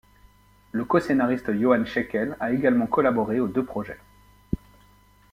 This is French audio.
Le coscénariste Joan Scheckel a également collaboré aux deux projets.